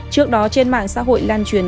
trước đó trên mạng xã hội lan truyền